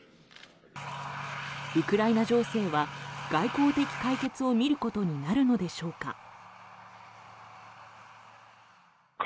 ウクライナ情勢は外交的解決を見ることになるのでしょうか。